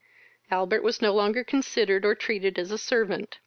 Albert was no longer considered or treated as a servant.